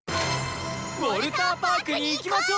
ウォルターパークに行きましょう！